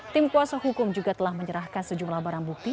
tim kuasa hukum juga telah menyerahkan sejumlah barang bukti